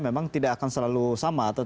memang tidak akan selalu sama